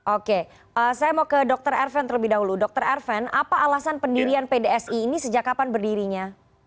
oke saya mau ke dr erven terlebih dahulu dr erven apa alasan pendirian pdsi ini sejak kapan berdirinya